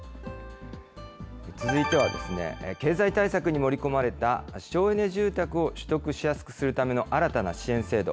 続いては、経済対策に盛り込まれた、省エネ住宅を取得しやすくするための新たな支援制度。